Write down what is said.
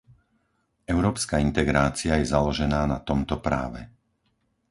Európska integrácia je založená na tomto práve.